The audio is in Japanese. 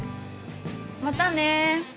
またね。